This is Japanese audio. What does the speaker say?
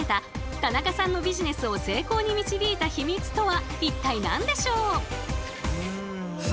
田中さんのビジネスを成功に導いたバラのヒミツとは一体何でしょうか？